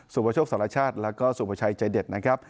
ประโชคสารชาติแล้วก็สุภาชัยใจเด็ดนะครับ